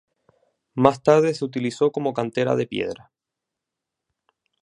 Más tarde se utilizó como cantera de piedra.